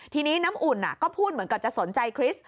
ทีนี้น้ำอุ่นก็พูดเหมือนกับจะสนใจคริสต์